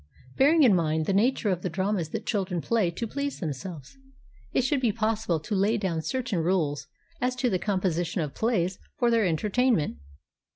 Bearing in mind the nature of the dramas that children play to please themselves, it should be possible to lay down certain rules as to the composition of plays for their enter tainment.